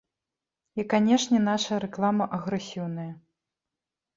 І, канечне, нашая рэклама агрэсіўная.